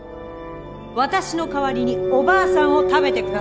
「私の代わりにおばあさんを食べて下さい」と。